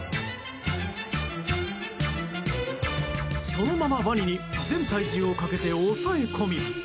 そのまま、ワニに全体重をかけて抑え込み！